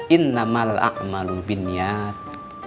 innamal a'malul binyat